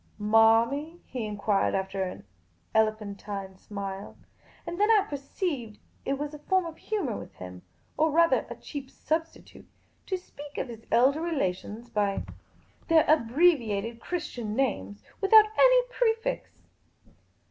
" Manny ?" he enquired, with another elephantine smile ; and then I perceived it was a form of humour with him (or rather a cheap substitute) to speak of his elder relations by 2i6 Miss Cayley's Adventures their abbreviated Christian names, without any prefix.